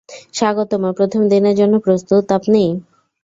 স্বাগতম, প্রথম দিনের জন্য প্রস্তুত আপনি?